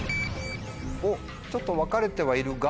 ちょっと分かれてはいるが。